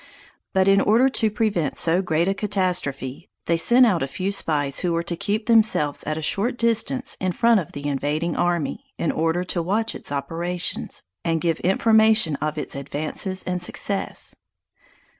But in order to prevent so great a catastrophe, they sent out a few spies who were to keep themselves at a short distance in front of the invading army, in order to watch its operations, and give information of its advances and success.